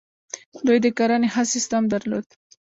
دوی د کرنې ښه سیستم درلود